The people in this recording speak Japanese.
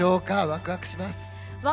ワクワクします。